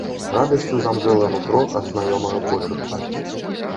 Радасцю замжэла нутро ад знаёмага почырку.